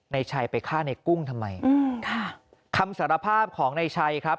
ในชัยไปฆ่าในกุ้งทำไมอืมค่ะคำสารภาพของนายชัยครับ